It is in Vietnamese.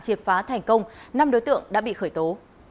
triệt phá thành công năm đối tượng đã bị khởi tố